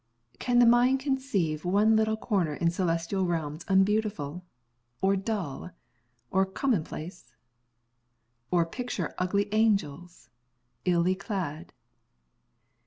Can the mind conceive One little corner in celestial realms Unbeautiful, or dull or commonplace? Or picture ugly angels, illy clad?